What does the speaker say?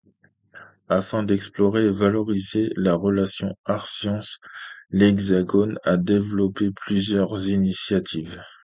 Afin d’explorer et valoriser la relation arts sciences, l’Hexagone a développé plusieurs initiatives.